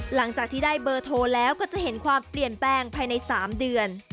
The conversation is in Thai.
หลังจากที่ได้เบอร์โทรแล้วก็จะเห็นความเปลี่ยนแปลงภายใน๓เดือน